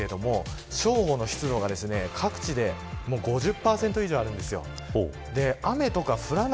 今日は気温も上がるんですが正午の湿度が各地で５０％以上あるんですよ。